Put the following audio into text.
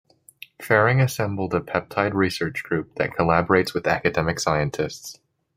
Ferring assembled a peptide research group that collaborates with academic scientists.